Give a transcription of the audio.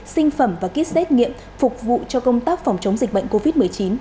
sinh phẩm và kit xét nghiệm phục vụ cho công tác phòng chống dịch bệnh covid một mươi chín